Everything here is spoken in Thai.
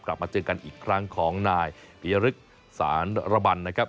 กลับมาเจอกันอีกครั้งของนายปียรึกสารระบันนะครับ